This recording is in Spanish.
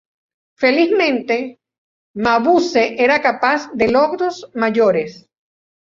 Felizmente, Mabuse era capaz de logros mayores.